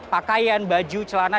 pakaian baju celana